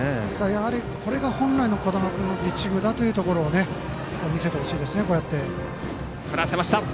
やはりこれが本来の小玉君のピッチングだということを見せてほしいですね。